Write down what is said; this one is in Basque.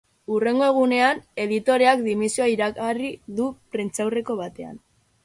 Hurrengo egunean, editoreak dimisioa iragarri du prentsaurreko batean.